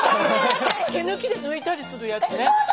毛抜きで抜いたりするやつね。